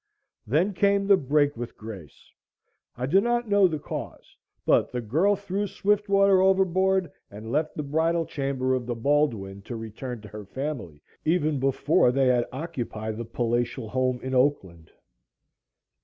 Then came the break with Grace. I do not know the cause, but the girl threw Swiftwater overboard and left the bridal chamber of the Baldwin to return to her family, even before they had occupied the palatial home in Oakland.